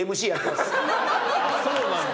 そうなんだ。